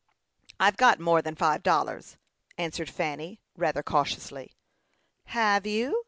"I've got more than five dollars," answered Fanny, rather cautiously. "Have you?